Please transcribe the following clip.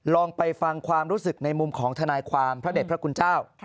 ลองไปฟังความรู้สึกในมุมของทนายความพระเด็จพระคุณเจ้า